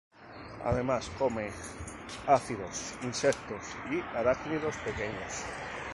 Además come áfidos, insectos y arácnidos pequeños.